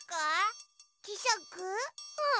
うん。